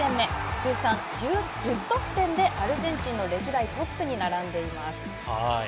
通算１０得点でアルゼンチンの歴代トップに並んでいます。